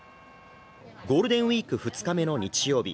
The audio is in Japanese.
ゴールデンウイーク２日目の日曜日